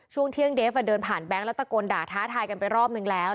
ช่วงเที่ยงเดฟเดินผ่านแบงค์แล้วตะโกนด่าท้าทายกันไปรอบนึงแล้ว